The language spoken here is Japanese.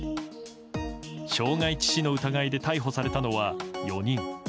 傷害致死の疑いで逮捕されたのは４人。